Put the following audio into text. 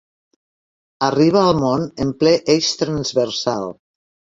Arriba al món en ple Eix Transversal.